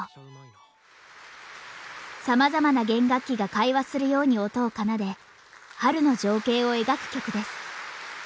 さまざまな弦楽器が会話するように音を奏で春の情景を描く曲です。